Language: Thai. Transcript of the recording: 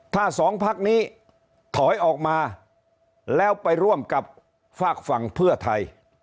ถ้าสองพักนี้ถอยออกมาแล้วไปร่วมกับฝากฝั่งเพื่อไทย